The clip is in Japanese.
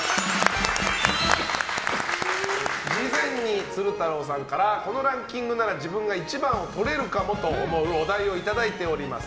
事前に鶴太郎さんからこのランキングなら自分が１番をとれるかもと思うお題をいただいています。